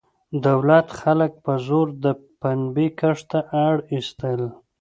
دولت خلک په زور د پنبې کښت ته اړ ایستل.